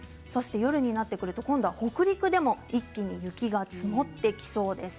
夜になると北陸でも一気に雪が積もってきそうです。